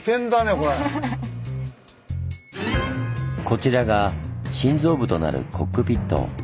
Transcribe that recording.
こちらが心臓部となるコックピット。